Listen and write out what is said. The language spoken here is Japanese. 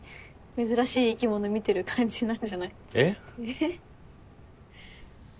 珍しい生き物見てる感じなんじゃない？えっ？えっ？